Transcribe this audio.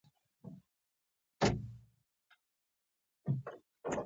ويې ويل ګوره عبدالستار جانه.